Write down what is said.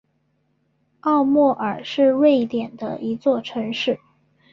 奥莫尔是瑞典的一座城市。